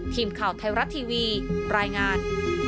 ทีมข่าวไทยรัฐทีวีรายงาน